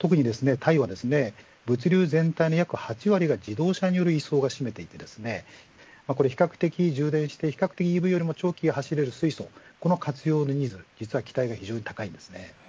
特にタイは物流全体の約８割が自動車による輸送が占めていて充電して比較的ＥＶよりも長距離を走る水素この活用のニーズが非常に期待が高いです。